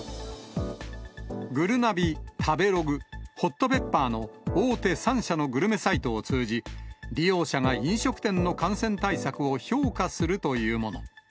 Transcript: ぐるなび、食べログ、ホットペッパーの大手３社のグルメサイトを通じ、利用者が飲食店の感染対策を評価するというもの。